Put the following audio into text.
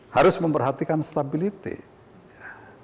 harus memperhatikan stabilitas ya